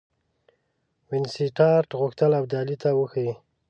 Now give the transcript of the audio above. وینسیټارټ غوښتل ابدالي ته وښيي.